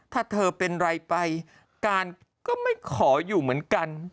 ถ้าเธอเป็นไรไปการก็ไม่ขออยู่เหมือนกัน